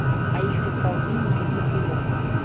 А іх сапраўды не відна было.